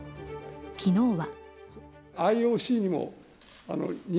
昨日は。